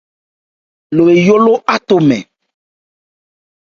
Lo eyó ló áthomɛn.